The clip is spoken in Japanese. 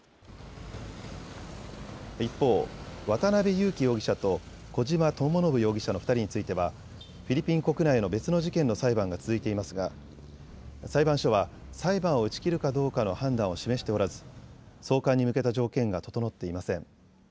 一方、渡邉優樹容疑者と小島智信容疑者の２人についてはフィリピン国内の別の事件の裁判が続いていますが裁判所は裁判を打ち切るかどうかの判断を示しておらず送還に向けた条件が整っていません。